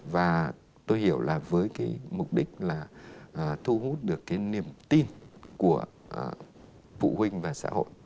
và tôi hiểu là với cái mục đích là thu hút được cái niềm tin của phụ huynh và xã hội